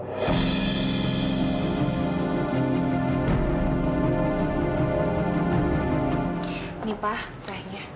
ini pak kainnya